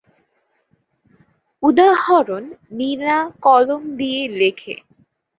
উদাহরণ:নীরা কলম দিয়ে লেখে।